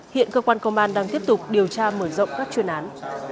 hiện cơ quan công an đang tiếp tục điều tra mở rộng các chuyên án